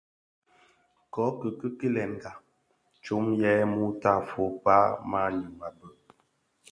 Kōki kilènga tsom yè mutafog kpag manyu a bhëg.